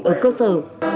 ở cơ sở